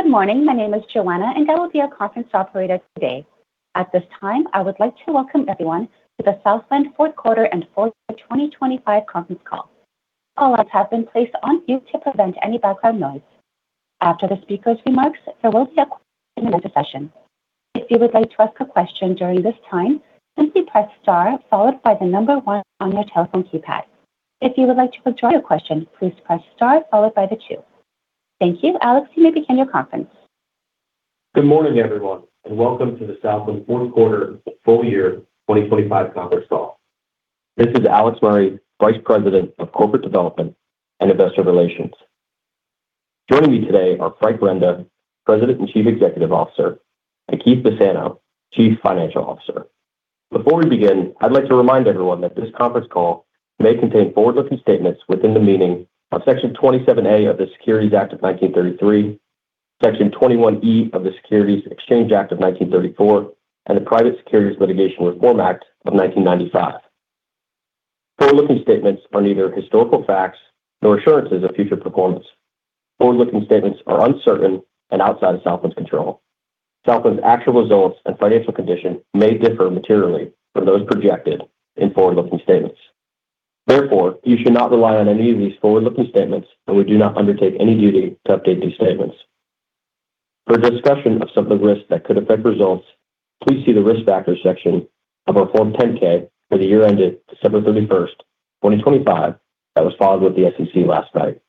Good morning. My name is Joanna, and I will be your conference operator today. At this time, I would like to welcome everyone to the Southland fourth quarter and full year 2025 conference call. All lines have been placed on mute to prevent any background noise. After the speaker's remarks, there will be a question and answer session. If you would like to ask a question during this time, simply press star followed by the number one on your telephone keypad. If you would like to withdraw your question, please press star followed by the two. Thank you. Alex, you may begin your conference. Good morning, everyone, and welcome to the Southland fourth quarter and full year 2025 conference call. This is Alex Murray, Vice President of Corporate Development and Investor Relations. Joining me today are Frank Renda, President and Chief Executive Officer, and Keith Bassano, Chief Financial Officer. Before we begin, I'd like to remind everyone that this conference call may contain forward-looking statements within the meaning of Section 27A of the Securities Act of 1933, Section 21E of the Securities Exchange Act of 1934, and the Private Securities Litigation Reform Act of 1995. Forward-looking statements are neither historical facts nor assurances of future performance. Forward-looking statements are uncertain and outside of Southland's control. Southland's actual results and financial condition may differ materially from those projected in forward-looking statements. Therefore, you should not rely on any of these forward-looking statements, and we do not undertake any duty to update these statements. For a discussion of some of the risks that could affect results, please see the Risk Factors section of our Form 10-K for the year ended December 31st, 2025, that was filed with the SEC last night.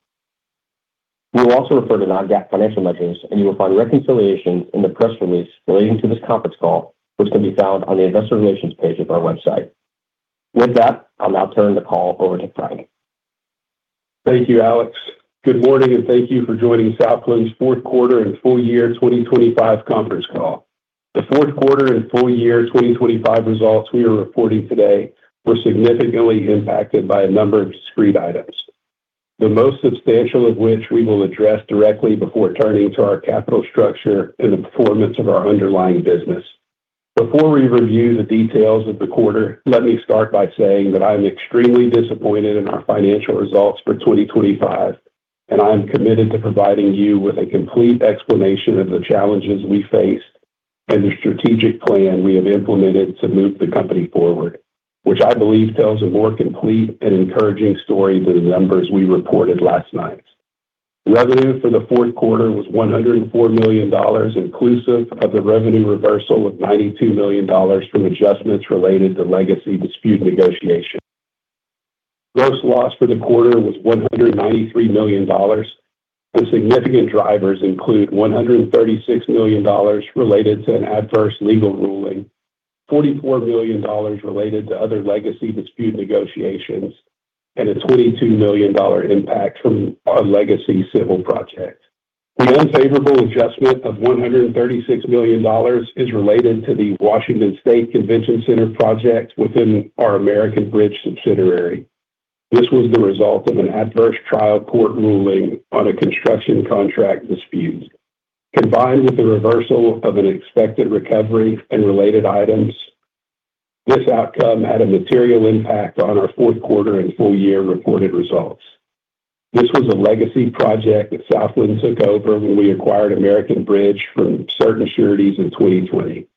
We will also refer to non-GAAP financial measures, and you will find reconciliations in the press release relating to this conference call, which can be found on the investor relations page of our website. With that, I'll now turn the call over to Frank. Thank you, Alex. Good morning, and thank you for joining Southland's fourth quarter and full year 2025 conference call. The fourth quarter and full year 2025 results we are reporting today were significantly impacted by a number of discrete items, the most substantial of which we will address directly before turning to our capital structure and the performance of our underlying business. Before we review the details of the quarter, let me start by saying that I am extremely disappointed in our financial results for 2025, and I am committed to providing you with a complete explanation of the challenges we face and the strategic plan we have implemented to move the company forward, which I believe tells a more complete and encouraging story than the numbers we reported last night. Revenue for the fourth quarter was $104 million, inclusive of the revenue reversal of $92 million from adjustments related to legacy dispute negotiation. Gross loss for the quarter was $193 million, and significant drivers include $136 million related to an adverse legal ruling, $44 million related to other legacy dispute negotiations, and a $22 million impact from our legacy civil project. The unfavorable adjustment of $136 million is related to the Washington State Convention Center project within our American Bridge subsidiary. This was the result of an adverse trial court ruling on a construction contract dispute. Combined with the reversal of an expected recovery and related items, this outcome had a material impact on our fourth quarter and full year reported results. This was a legacy project that Southland took over when we acquired American Bridge from certain sureties in 2020.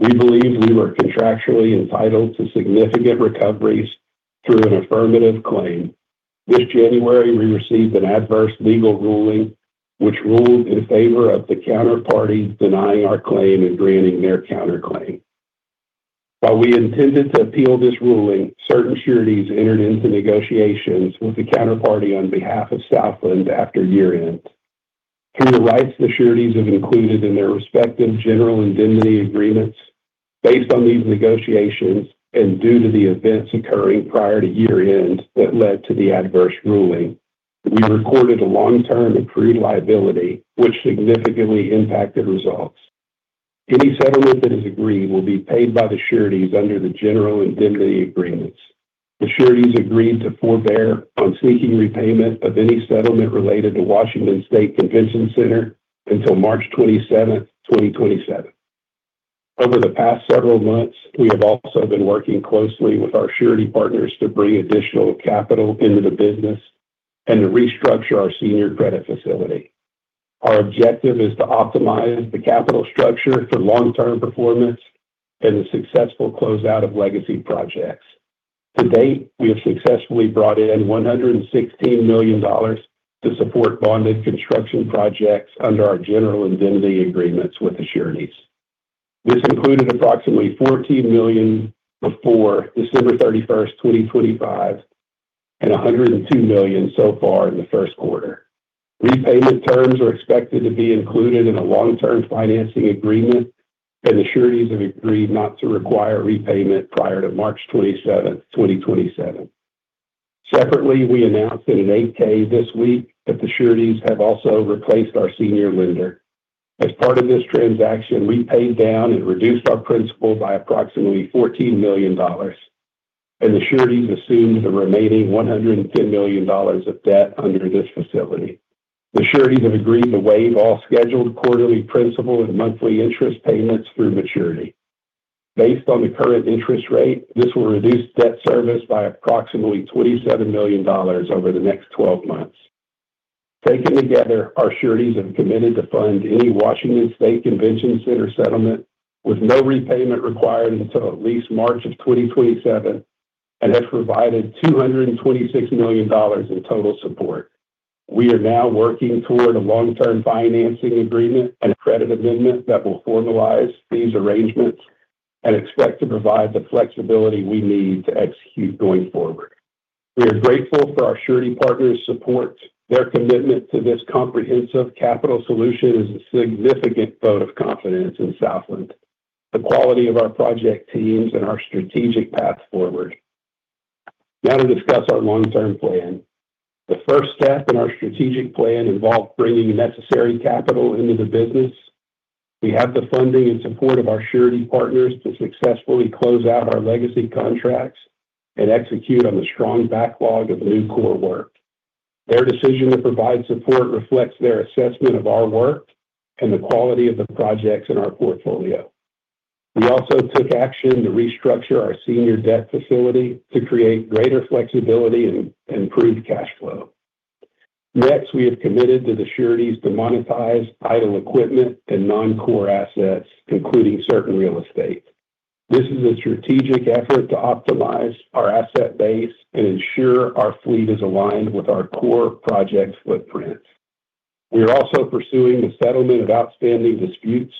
We believe we were contractually entitled to significant recoveries through an affirmative claim. This January, we received an adverse legal ruling which ruled in favor of the counterparty denying our claim and granting their counterclaim. While we intended to appeal this ruling, certain sureties entered into negotiations with the counterparty on behalf of Southland after year-end. Through the rights the sureties have included in their respective general indemnity agreements based on these negotiations and due to the events occurring prior to year-end that led to the adverse ruling, we recorded a long-term accrued liability which significantly impacted results. Any settlement that is agreed will be paid by the sureties under the general indemnity agreements. The sureties agreed to forbear on seeking repayment of any settlement related to Washington State Convention Center until March 27th, 2027. Over the past several months, we have also been working closely with our surety partners to bring additional capital into the business and to restructure our senior credit facility. Our objective is to optimize the capital structure for long-term performance and the successful closeout of legacy projects. To date, we have successfully brought in $116 million to support bonded construction projects under our general indemnity agreements with the sureties. This included approximately $14 million before December 31st, 2025, and $102 million so far in the first quarter. Repayment terms are expected to be included in a long-term financing agreement, and the sureties have agreed not to require repayment prior to March 27th, 2027. Separately, we announced in an 8-K this week that the sureties have also replaced our senior lender. As part of this transaction, we paid down and reduced our principal by approximately $14 million, and the sureties assumed the remaining $110 million of debt under this facility. The sureties have agreed to waive all scheduled quarterly principal and monthly interest payments through maturity. Based on the current interest rate, this will reduce debt service by approximately $27 million over the next 12 months. Taken together, our sureties have committed to fund any Washington State Convention Center settlement with no repayment required until at least March of 2027 and have provided $226 million in total support. We are now working toward a long-term financing agreement and credit amendment that will formalize these arrangements and expect to provide the flexibility we need to execute going forward. We are grateful for our surety partners' support. Their commitment to this comprehensive capital solution is a significant vote of confidence in Southland, the quality of our project teams, and our strategic path forward. Now to discuss our long-term plan. The first step in our strategic plan involved bringing necessary capital into the business. We have the funding and support of our surety partners to successfully close out our legacy contracts and execute on the strong backlog of new core work. Their decision to provide support reflects their assessment of our work and the quality of the projects in our portfolio. We also took action to restructure our senior debt facility to create greater flexibility and improve cash flow. Next, we have committed to the sureties to monetize idle equipment and non-core assets, including certain real estate. This is a strategic effort to optimize our asset base and ensure our fleet is aligned with our core project footprint. We are also pursuing the settlement of outstanding disputes.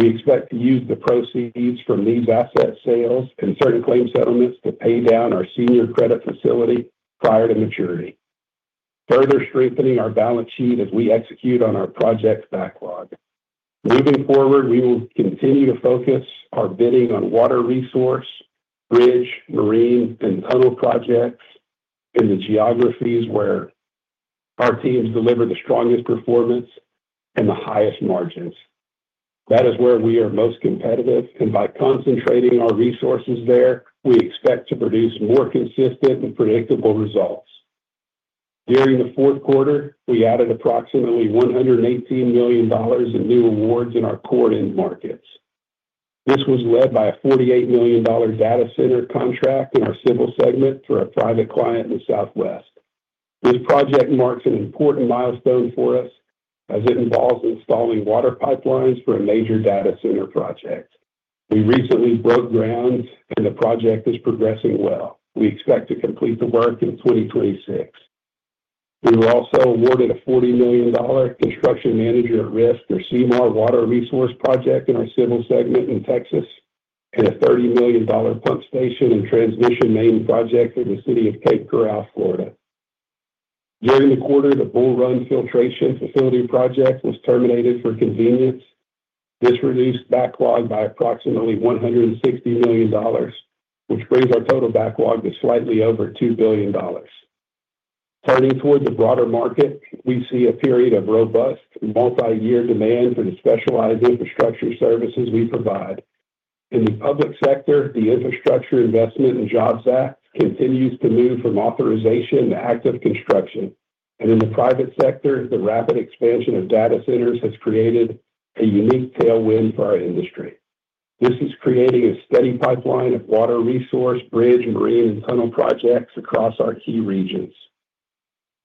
We expect to use the proceeds from these asset sales and certain claim settlements to pay down our senior credit facility prior to maturity, further strengthening our balance sheet as we execute on our project backlog. Moving forward, we will continue to focus our bidding on water resource, bridge, marine, and tunnel projects in the geographies where our teams deliver the strongest performance and the highest margins. That is where we are most competitive, and by concentrating our resources there, we expect to produce more consistent and predictable results. During the fourth quarter, we added approximately $118 million in new awards in our core end markets. This was led by a $48 million data center contract in our civil segment through a private client in the Southwest. This project marks an important milestone for us as it involves installing water pipelines for a major data center project. We recently broke ground, and the project is progressing well. We expect to complete the work in 2026. We were also awarded a $40 million construction manager at risk, or CMAR, water resource project in our civil segment in Texas and a $30 million pump station and transmission main project for the city of Cape Coral, Florida. During the quarter, the Bull Run Filtration Facility project was terminated for convenience. This reduced backlog by approximately $160 million, which brings our total backlog to slightly over $2 billion. Turning towards the broader market, we see a period of robust multiyear demand for the specialized infrastructure services we provide. In the public sector, the Infrastructure Investment and Jobs Act continues to move from authorization to active construction. In the private sector, the rapid expansion of data centers has created a unique tailwind for our industry. This is creating a steady pipeline of water resource, bridge, marine, and tunnel projects across our key regions.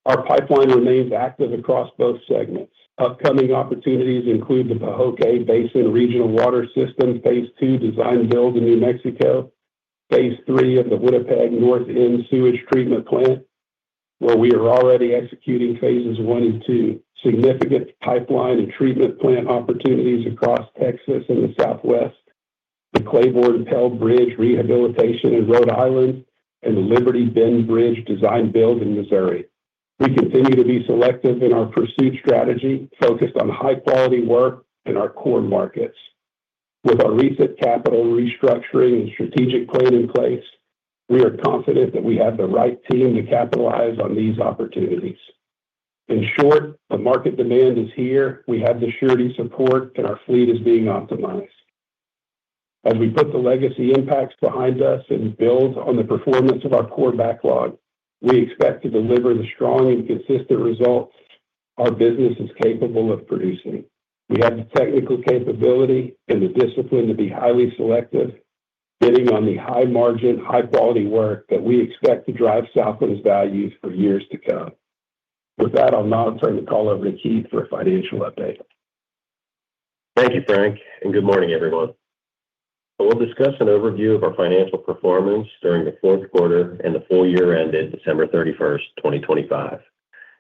Our pipeline remains active across both segments. Upcoming opportunities include the Pojoaque Basin Regional Water System phase II design build in New Mexico, phase III of the Winnipeg North End Sewage Treatment Plant, where we are already executing phases I and II, significant pipeline and treatment plant opportunities across Texas and the Southwest, the Claiborne Pell Bridge rehabilitation in Rhode Island, and the Liberty Bend Bridge design build in Missouri. We continue to be selective in our pursuit strategy, focused on high-quality work in our core markets. With our recent capital restructuring and strategic plan in place, we are confident that we have the right team to capitalize on these opportunities. In short, the market demand is here, we have the surety support, and our fleet is being optimized. As we put the legacy impacts behind us and build on the performance of our core backlog, we expect to deliver the strong and consistent results our business is capable of producing. We have the technical capability and the discipline to be highly selective, bidding on the high-margin, high-quality work that we expect to drive Southland's value for years to come. With that, I'll now turn the call over to Keith for a financial update. Thank you, Frank, and good morning, everyone. I will discuss an overview of our financial performance during the fourth quarter and the full year ended December 31, 2025.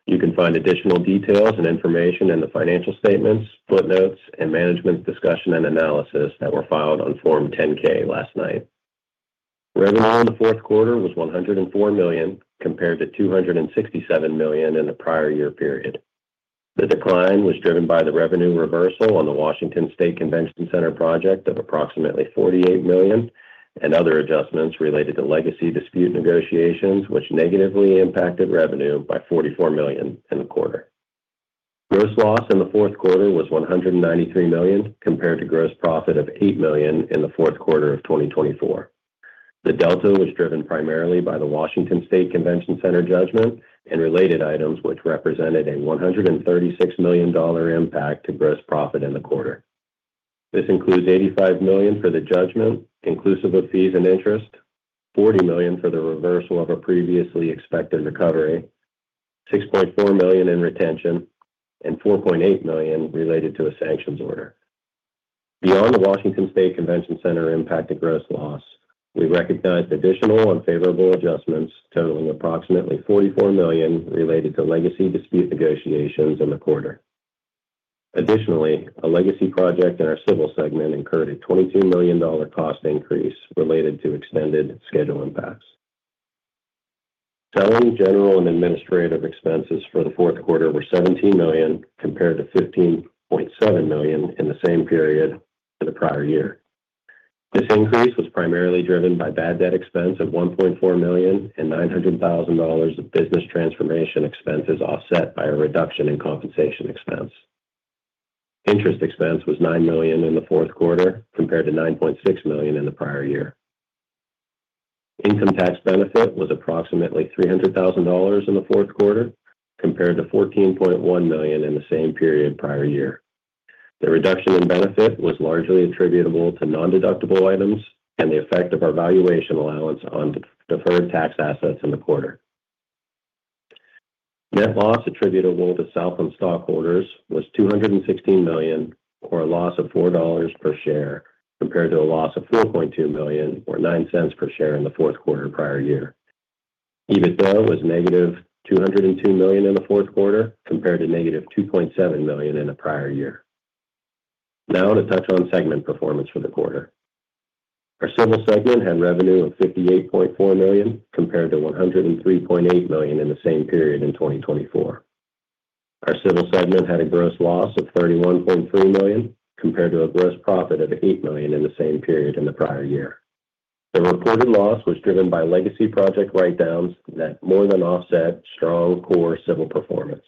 You can find additional details and information in the financial statements, footnotes and management discussion and analysis that were filed on Form 10-K last night. Revenue in the fourth quarter was $104 million, compared to $267 million in the prior year period. The decline was driven by the revenue reversal on the Washington State Convention Center project of approximately $48 million and other adjustments related to legacy dispute negotiations, which negatively impacted revenue by $44 million in the quarter. Gross loss in the fourth quarter was $193 million, compared to gross profit of $8 million in the fourth quarter of 2024. The delta was driven primarily by the Washington State Convention Center judgment and related items, which represented a $136 million impact to gross profit in the quarter. This includes $85 million for the judgment, inclusive of fees and interest, $40 million for the reversal of a previously expected recovery, $6.4 million in retention, and $4.8 million related to a sanctions order. Beyond the Washington State Convention Center impact to gross loss, we recognized additional unfavorable adjustments totaling approximately $44 million related to legacy dispute negotiations in the quarter. Additionally, a legacy project in our civil segment incurred a $22 million cost increase related to extended schedule impacts. Selling, general, and administrative expenses for the fourth quarter were $17 million compared to $15.7 million in the same period in the prior year. This increase was primarily driven by bad debt expense of $1.4 million and $900,000 of business transformation expenses offset by a reduction in compensation expense. Interest expense was $9 million in the fourth quarter compared to $9.6 million in the prior year. Income tax benefit was approximately $300,000 in the fourth quarter compared to $14.1 million in the same period prior year. The reduction in benefit was largely attributable to nondeductible items and the effect of our valuation allowance on deferred tax assets in the quarter. Net loss attributable to Southland stockholders was $216 million or a loss of $4 per share compared to a loss of $4.2 million or $0.09 per share in the fourth quarter prior year. EBITDA was negative $202 million in the fourth quarter compared to negative $2.7 million in the prior year. Now to touch on segment performance for the quarter. Our civil segment had revenue of $58.4 million compared to $103.8 million in the same period in 2024. Our civil segment had a gross loss of $31.3 million compared to a gross profit of $8 million in the same period in the prior year. The reported loss was driven by legacy project write-downs that more than offset strong core civil performance.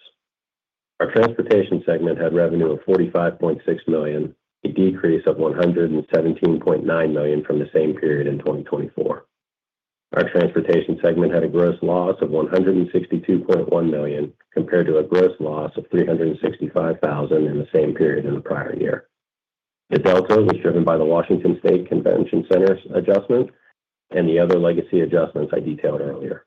Our transportation segment had revenue of $45.6 million, a decrease of $117.9 million from the same period in 2024. Our transportation segment had a gross loss of $162.1 million compared to a gross loss of $365,000 in the same period in the prior year. The delta was driven by the Washington State Convention Center's adjustment and the other legacy adjustments I detailed earlier.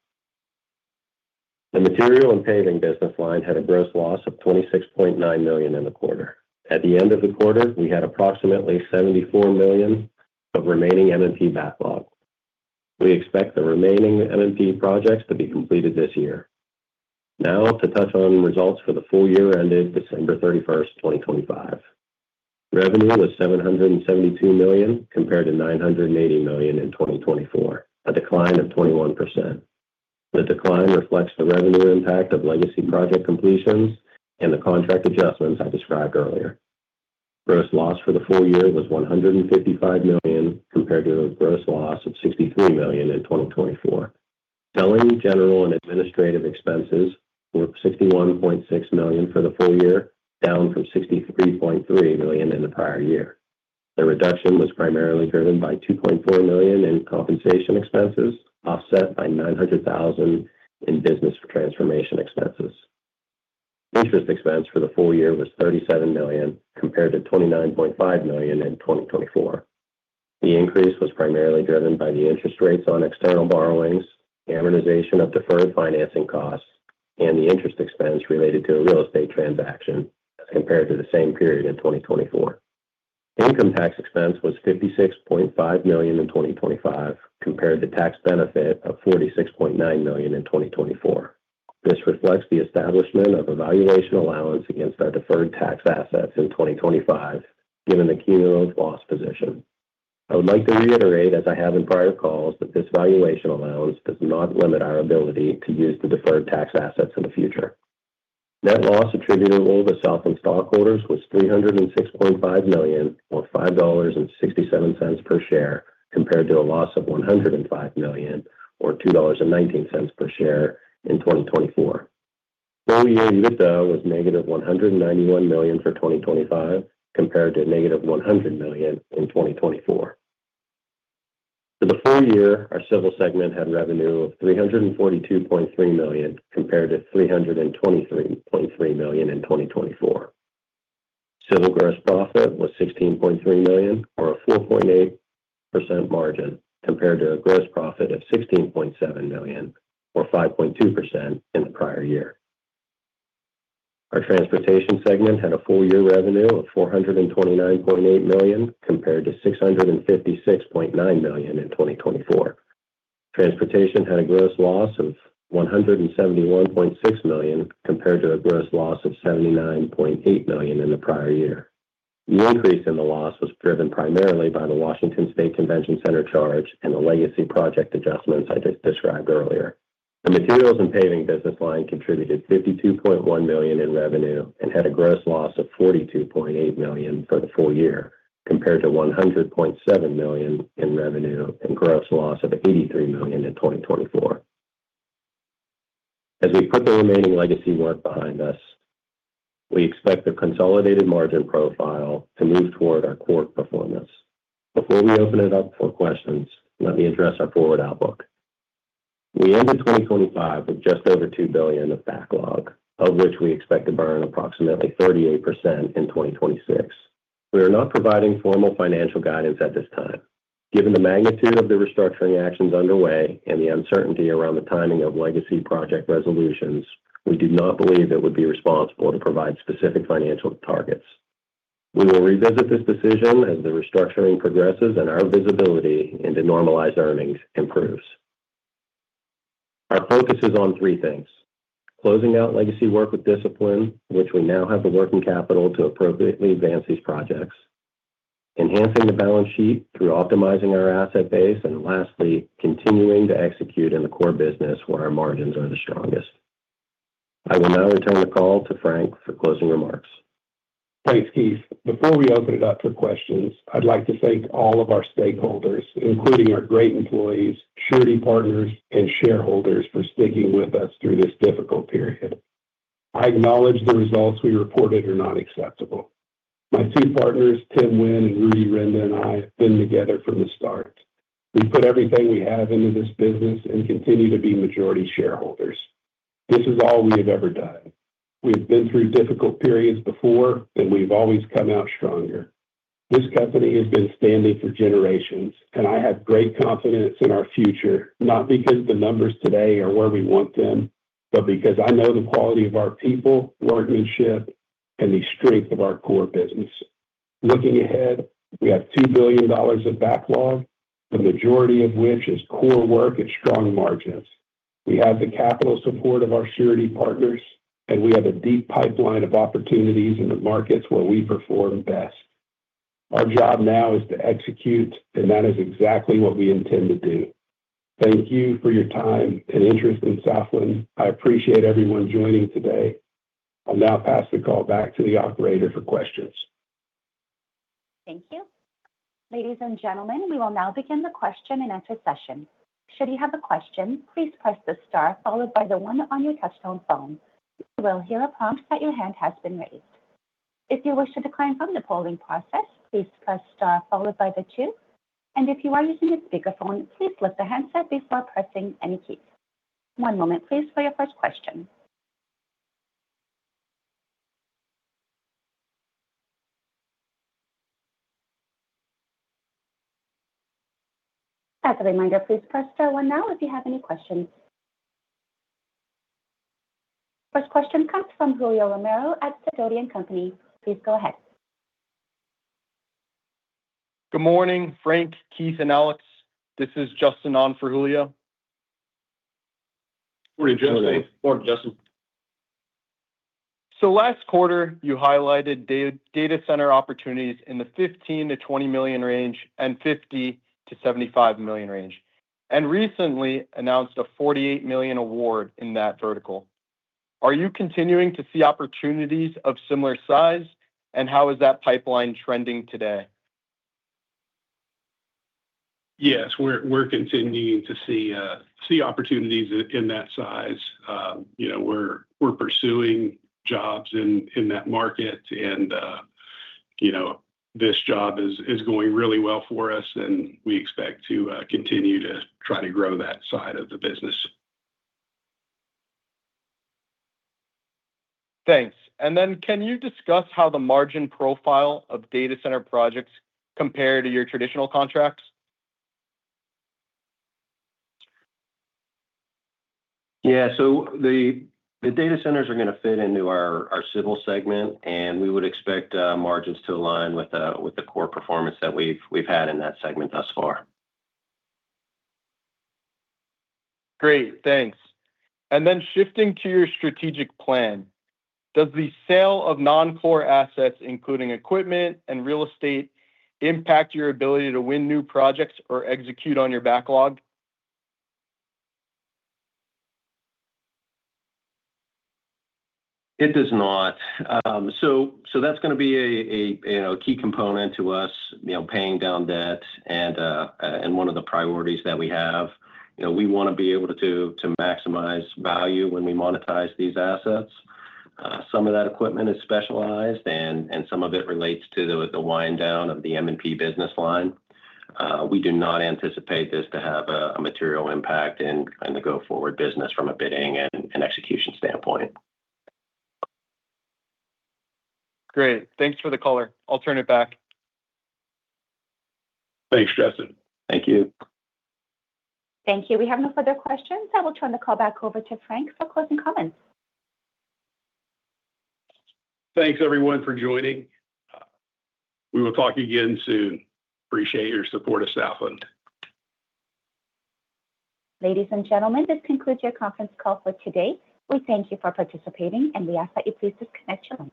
The material and paving business line had a gross loss of $26.9 million in the quarter. At the end of the quarter, we had approximately $74 million of remaining M&P backlog. We expect the remaining M&P projects to be completed this year. Now to touch on results for the full year ended December 31, 2025. Revenue was $772 million compared to $980 million in 2024, a decline of 21%. The decline reflects the revenue impact of legacy project completions and the contract adjustments I described earlier. Gross loss for the full year was $155 million compared to a gross loss of $63 million in 2024. Selling, general, and administrative expenses were $61.6 million for the full year, down from $63.3 million in the prior year. The reduction was primarily driven by $2.4 million in compensation expenses, offset by $900,000 in business transformation expenses. Interest expense for the full year was $37 million compared to $29.5 million in 2024. The increase was primarily driven by the interest rates on external borrowings, amortization of deferred financing costs, and the interest expense related to a real estate transaction as compared to the same period in 2024. Income tax expense was $56.5 million in 2025 compared to tax benefit of $46.9 million in 2024. This reflects the establishment of a valuation allowance against our deferred tax assets in 2025, given the cumulative loss position. I would like to reiterate, as I have in prior calls, that this valuation allowance does not limit our ability to use the deferred tax assets in the future. Net loss attributable to Southland stockholders was $306.5 million or $5.67 per share compared to a loss of $105 million or $2.19 per share in 2024. Full year EBITDA was negative $191 million for 2025 compared to negative $100 million in 2024. For the full year, our civil segment had revenue of $342.3 million compared to $323.3 million in 2024. Civil gross profit was $16.3 million or a 4.8% margin compared to a gross profit of $16.7 million or 5.2% in the prior year. Our transportation segment had a full year revenue of $429.8 million compared to $656.9 million in 2024. Transportation had a gross loss of $171.6 million compared to a gross loss of $79.8 million in the prior year. The increase in the loss was driven primarily by the Washington State Convention Center charge and the legacy project adjustments I described earlier. The materials and paving business line contributed $52.1 million in revenue and had a gross loss of $42.8 million for the full year compared to $100.7 million in revenue and gross loss of $83 million in 2024. As we put the remaining legacy work behind us, we expect the consolidated margin profile to move toward our core performance. Before we open it up for questions, let me address our forward outlook. We ended 2025 with just over $2 billion of backlog, of which we expect to burn approximately 38% in 2026. We are not providing formal financial guidance at this time. Given the magnitude of the restructuring actions underway and the uncertainty around the timing of legacy project resolutions, we do not believe it would be responsible to provide specific financial targets. We will revisit this decision as the restructuring progresses and our visibility into normalized earnings improves. Our focus is on three things, closing out legacy work with discipline, which we now have the working capital to appropriately advance these projects, enhancing the balance sheet through optimizing our asset base, and lastly, continuing to execute in the core business where our margins are the strongest. I will now return the call to Frank for closing remarks. Thanks, Keith. Before we open it up for questions, I'd like to thank all of our stakeholders, including our great employees, surety partners, and shareholders for sticking with us through this difficult period. I acknowledge the results we reported are not acceptable. My two partners, Tim Winn and Rudy Renda, and I have been together from the start. We put everything we have into this business and continue to be majority shareholders. This is all we have ever done. We have been through difficult periods before, and we've always come out stronger. This company has been standing for generations, and I have great confidence in our future, not because the numbers today are where we want them, but because I know the quality of our people, workmanship, and the strength of our core business. Looking ahead, we have $2 billion of backlog, the majority of which is core work at strong margins. We have the capital support of our surety partners, and we have a deep pipeline of opportunities in the markets where we perform best. Our job now is to execute, and that is exactly what we intend to do. Thank you for your time and interest in Southland. I appreciate everyone joining today. I'll now pass the call back to the operator for questions. Thank you. Ladies and gentlemen, we will now begin the question-and-answer session. Should you have a question, please press the star followed by the one on your touchtone phone. You will hear a prompt that your hand has been raised. If you wish to decline from the polling process, please press star followed by the two. If you are using a speakerphone, please lift the handset before pressing any key. One moment, please, for your first question. As a reminder, please press star one now if you have any questions. First question comes from Julio Romero at Sidoti & Company. Please go ahead. Good morning, Frank, Keith, and Alex. This is Justin on for Julio. Morning, Justin. Morning. Morning, Justin. Last quarter, you highlighted data center opportunities in the $15 million-$20 million range and $50 million-$75 million range, and recently announced a $48 million award in that vertical. Are you continuing to see opportunities of similar size, and how is that pipeline trending today? Yes, we're continuing to see opportunities in that size. You know, we're pursuing jobs in that market and, you know, this job is going really well for us, and we expect to continue to try to grow that side of the business. Thanks. Can you discuss how the margin profile of data center projects compare to your traditional contracts? Yeah. The data centers are gonna fit into our civil segment, and we would expect margins to align with the core performance that we've had in that segment thus far. Great. Thanks. Shifting to your strategic plan, does the sale of non-core assets, including equipment and real estate, impact your ability to win new projects or execute on your backlog? It does not. That's gonna be a key component to us, you know, paying down debt and one of the priorities that we have. You know, we wanna be able to maximize value when we monetize these assets. Some of that equipment is specialized and some of it relates to the wind down of the M&P business line. We do not anticipate this to have a material impact in the go-forward business from a bidding and execution standpoint. Great. Thanks for the color. I'll turn it back. Thanks, Justin. Thank you. Thank you. We have no further questions. I will turn the call back over to Frank for closing comments. Thanks everyone for joining. We will talk again soon. Appreciate your support of Southland. Ladies and gentlemen, this concludes your conference call for today. We thank you for participating, and we ask that you please disconnect your lines.